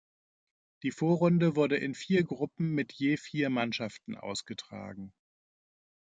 Die Vorrunde wurde in vier Gruppen mit je vier Mannschaften ausgetragen.